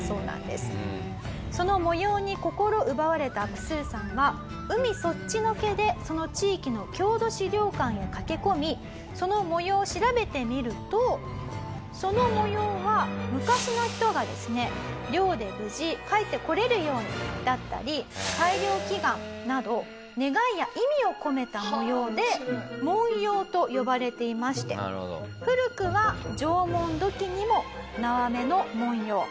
その模様に心奪われたアプスーさんは海そっちのけでその地域の郷土資料館へ駆け込みその模様を調べてみるとその模様は昔の人がですね漁で無事帰ってこれるようにだったり大漁祈願など願いや意味を込めた模様で文様と呼ばれていまして古くは縄文土器にも縄目の文様。